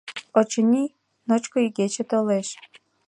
Очыни, ночко игече толеш.